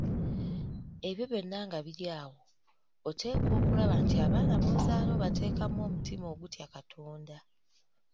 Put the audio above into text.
Ebyo byonna nga biri awo, oteekwa okulaba nti abaana b’ozaala obateekamu omutima ogutya Katonda.